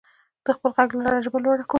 د خپل غږ له لارې ژبه لوړه کړو.